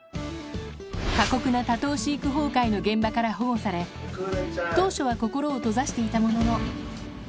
過酷な多頭飼育崩壊の現場から保護され、当初は心を閉ざしていたものの。